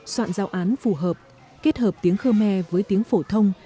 soạn giao án phù hợp kết hợp tiếng khmer với tiếng phổ thông